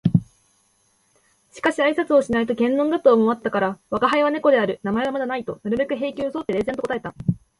しかし挨拶をしないと険呑だと思ったから「吾輩は猫である。名前はまだない」となるべく平気を装って冷然と答えた